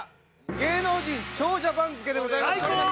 芸能人長者番付でございます。